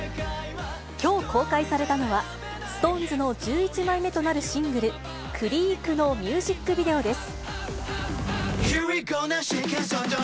きょう公開されたのは、ＳｉｘＴＯＮＥＳの１１枚目となるシングル、クリークのミュージックビデオです。